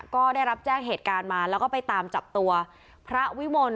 ก็ได้รับแจ้งเหตุการณ์มาแล้วก็ไปตามจับตัวพระวิมล